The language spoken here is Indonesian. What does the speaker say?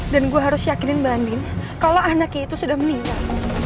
dan gue harus yakinin mbak andin kalau anaknya itu sudah meninggal